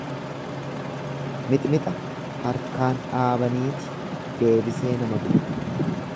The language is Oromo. Mixmixa harkaan dhaabaniiti deebisee nama guba.